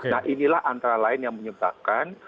nah inilah antara lain yang menyebabkan